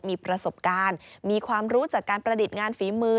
มีประสบการณ์มีความรู้จากการประดิษฐ์งานฝีมือ